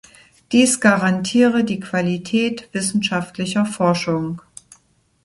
Dies garantiere die Qualität wissenschaftlicher Forschung.